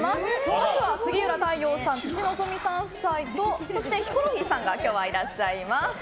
まずは杉浦太陽さん辻希美さん夫妻とそしてヒコロヒーさんが今日はいらっしゃいます。